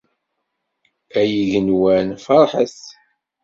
Ay igenwan, ferḥet!